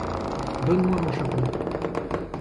Donne-moi mon chapeau.